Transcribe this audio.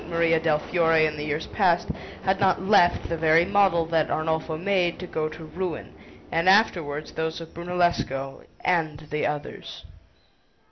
Maria del Fiore in the years past had not left the very model that Arnolfo made to go to ruin, and afterwards those of Brunellesco and of the others.